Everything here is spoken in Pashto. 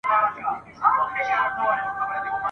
د زمان پر مېچن ګرځو له دورانه تر دورانه !.